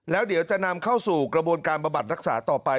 แล้วเดี๋ยวจะนำเข้าสู่กระบวนการบำบัดรักษาต่อไป